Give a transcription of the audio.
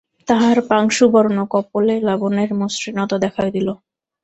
তাহার পাংশুবর্ণ কপোলে লাবণ্যের মসৃণতা দেখা দিল।